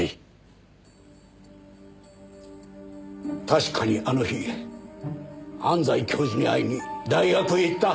確かにあの日安西教授に会いに大学へ行った。